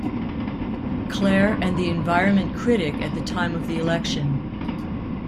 Clair and the environment critic at the time of the election.